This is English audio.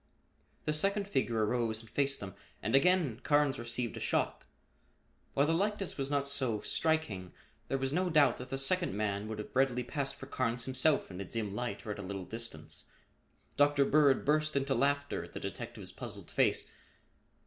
The second figure arose and faced them and again Carnes received a shock. While the likeness was not so, striking, there was no doubt that the second man would have readily passed for Carnes himself in a dim light or at a little distance. Dr. Bird burst into laughter at the detective's puzzled face.